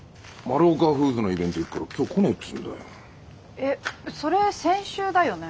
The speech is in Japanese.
えっそれ先週だよね？